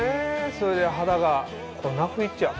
それで肌が粉吹いちゃう。